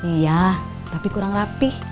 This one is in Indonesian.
iya tapi kurang rapih